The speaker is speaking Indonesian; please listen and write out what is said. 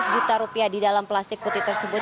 seratus juta rupiah di dalam plastik putih tersebut